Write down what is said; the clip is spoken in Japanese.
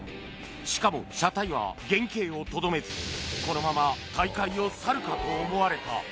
しかも、車体は原形をとどめずこのまま大会を去るかと思われた。